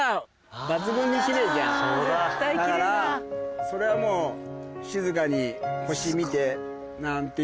だからそれはもう静かに星見てなんていうね。